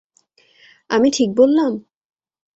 আমি ঠিক বললাম?